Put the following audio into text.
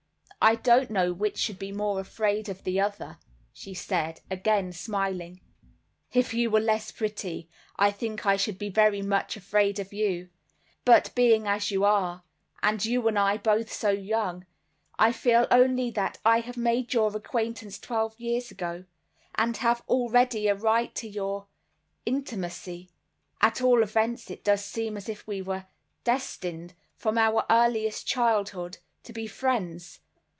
"I don't know which should be most afraid of the other," she said, again smiling—"If you were less pretty I think I should be very much afraid of you, but being as you are, and you and I both so young, I feel only that I have made your acquaintance twelve years ago, and have already a right to your intimacy; at all events it does seem as if we were destined, from our earliest childhood, to be friends.